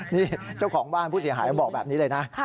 นี่เจ้าของบ้านผู้เสียหายบอกแบบนี้เลยนะ